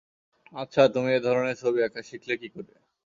আচ্ছা, তুমি এ ধরনের ছবি আঁকা শিখলে কী করে?